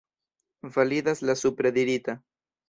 Validas la supre dirita.